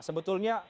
sebetulnya pak sigit